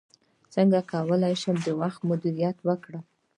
څنګه کولی شم د وخت مدیریت وکړم